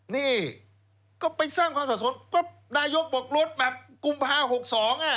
นี่ก็ไปสร้างความสับสนก็นายกบอกลดแบบกุมภา๖๒อ่ะ